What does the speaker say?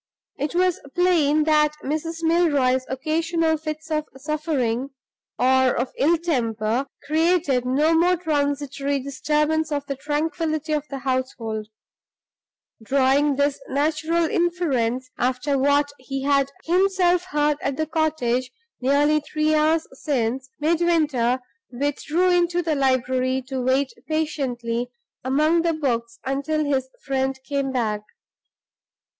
It was plain that Mrs. Milroy's occasional fits of suffering (or of ill temper) created no mere transitory disturbance of the tranquillity of the household. Drawing this natural inference, after what he had himself heard at the cottage nearly three hours since, Midwinter withdrew into the library to wait patiently among the books until his friend came back.